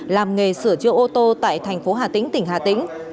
làm nghề sửa chữa ô tô tại thành phố hà tĩnh tỉnh hà tĩnh